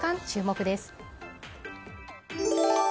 注目です。